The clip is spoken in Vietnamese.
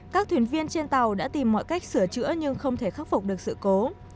các thuyền viên trên tàu đã tìm mọi cách sửa chữa nhưng không thể khắc phục được sự cố